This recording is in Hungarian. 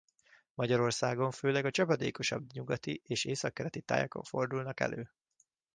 Magyarországon főleg a csapadékosabb nyugati és északkeleti tájakon fordulnak elő.